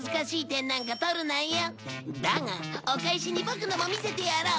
だがお返しにボクのも見せてやろう。